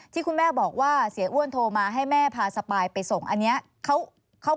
ที่คุณแม่บอกว่าเสียอ้วนโทรมาให้แม่พาสปายไปส่งอันนี้